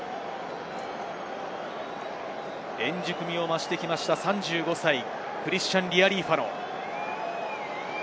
円熟味を増してきました３５歳、クリスチャン・リアリーファノ。